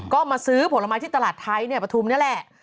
ก็มาซื้อผลไม้ที่ตลาดไทยปฐุมนี่แหละ